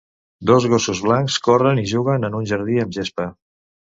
Dos gossos blancs corren i juguen en un jardí amb gespa.